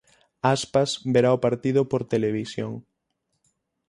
Aspas verá o partido por televisión.